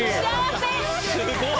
すごい。